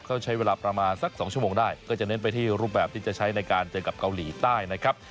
เขาใช้เวลาประมาณสัก๒ชั่วโมงได้ก็จะเน้นไปที่รูปแบบที่จะใช้ในการเจอกับเกาหลีใต้นะครับ